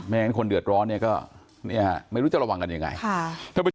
ไม่งั้นคนเดือดร้อนเนี่ยก็ไม่รู้จะระวังกันยังไง